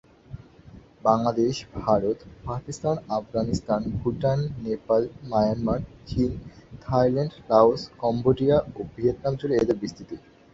Bangladesh, Bharat, Pakistan, Afghanistan, Bhutan, Nepal, Myanmar, চীন, Thailand, Laos, Cambodia ও Vietnam জুড়ে এদের বিস্তৃতি।